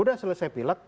udah selesai pilek